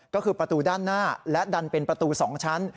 ก็คือประตูด้านหน้าและดันเป็นประตู๒ชั้น